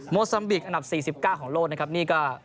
โมสัมบิกอันดับสี่สิบเก้าของโลกนะครับนี่ก็